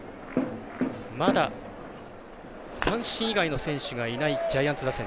まだ三振以外の選手がいないジャイアンツ打線。